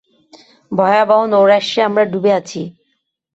ভয়াবহ নৈরাশ্যে আমরা ডুবে আছি।